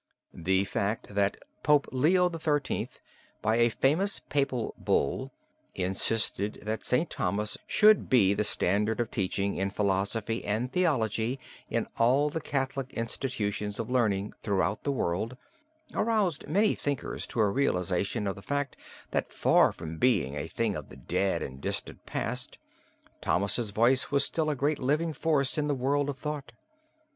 The fact that Pope Leo XIII., by a famous papal bull, insisted that St. Thomas should be the standard of teaching in philosophy and theology in all the Catholic institutions of learning throughout the world, aroused many thinkers to a realization of the fact that far from being a thing of the dead and distant past, Thomas's voice was still a great living force in the world of thought.